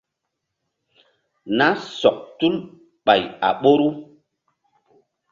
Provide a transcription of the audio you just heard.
Nah sɔk tul ɓay a ɓoru.